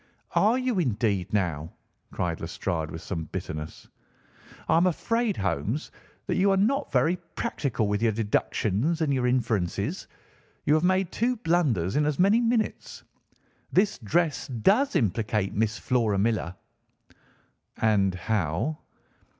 "Are you, indeed, now?" cried Lestrade with some bitterness. "I am afraid, Holmes, that you are not very practical with your deductions and your inferences. You have made two blunders in as many minutes. This dress does implicate Miss Flora Millar." "And how?"